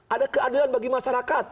ada keadilan bagi masyarakat